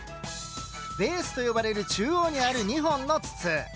「ベース」と呼ばれる中央にある２本の筒。